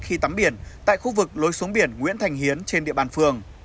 khi tắm biển tại khu vực lối xuống biển nguyễn thành hiến trên địa bàn phường